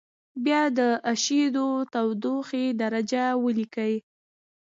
بیا د اېشېدو تودوخې درجه ولیکئ.